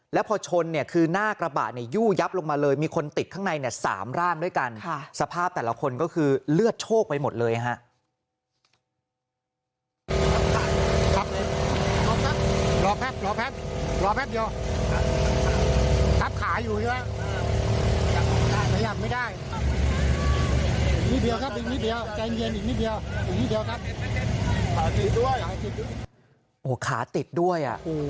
แล้วพอชนคือหน้ากระบะยู้ยับลงมาเลย